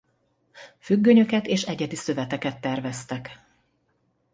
Függönyöket és egyedi szöveteket terveztek.